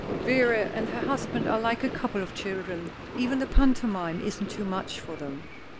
Vera and her husband are like a couple of children. Even the pantomime isn't too much for them."